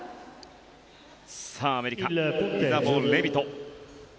アメリカ、イザボー・レビト。